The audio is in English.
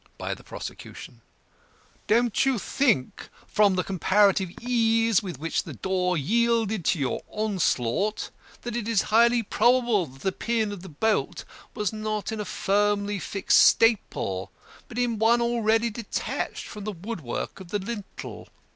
By the Prosecution: "Don't you think, from the comparative ease with which the door yielded to your onslaught, that it is highly probable that the pin of the bolt was not in a firmly fixed staple, but in one already detached from the woodwork of the lintel?"